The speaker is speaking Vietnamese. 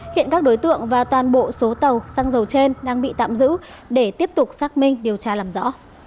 hiện các đối tượng và toàn bộ số tàu xăng dầu trên đang bị tạm giữ để tiếp tục xác minh điều tra làm rõ